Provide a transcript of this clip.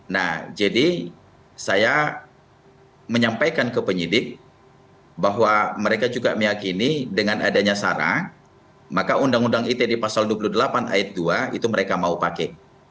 nah jadi saya menyampaikan ke penyidik bahwa mereka juga meyakini dengan adanya sarah maka undang undang it di pasal dua puluh delapan ayat dua itu mereka mau pakai